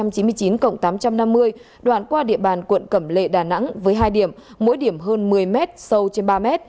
đường sắt đà nẵng tám trăm năm mươi đoạn qua địa bàn quận cẩm lệ đà nẵng với hai điểm mỗi điểm hơn một mươi m sâu trên ba m